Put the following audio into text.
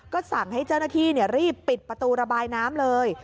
ก็สั่งให้เจ้าหน้าที่รีบปิดประตูระบายน้ำเลย